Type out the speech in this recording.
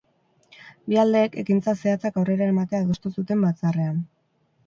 Bi aldeek ekintza zehatzak aurrera eramatea adostu zuten batzarrean.